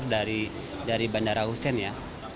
lebih besar dari bandara hussein ya